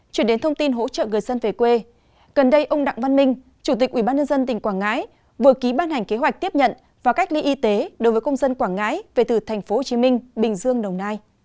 chuyển đến thông tin hỗ trợ người dân về quê gần đây ông đặng văn minh chủ tịch ubnd tỉnh quảng ngãi vừa ký ban hành kế hoạch tiếp nhận và cách ly y tế đối với công dân quảng ngãi về từ tp hcm bình dương đồng nai